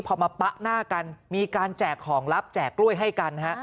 พอมาปะหน้ากันมีการแจกของลับแจกกล้วยให้กันฮะ